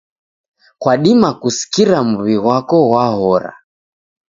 Kwadima kusikira muw'i ghwako ghwahora.